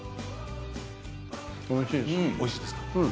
おいしいです。